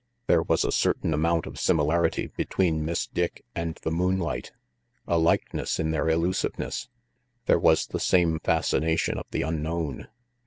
There was a certain amount of similarity between Miss Dick and the moonlight, a likeness in their elusiveness; there was the same fascination of the unknown.